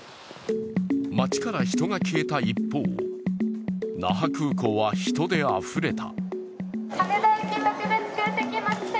街から人が消えた一方、那覇空港は人であふれた。